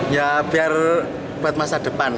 ya biar buat masa depan